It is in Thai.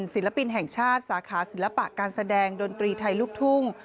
ศิลปินแห่งชาติสาขาศิลปะการแสดงดนตรีไทยลูกทุ่ง